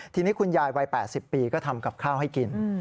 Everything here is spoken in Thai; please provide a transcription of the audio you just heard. ทีนี้คุณยายวัย๘๐ปีก็ทำกับข้าวให้กิน